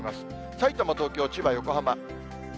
さいたま、東京、千葉、横浜。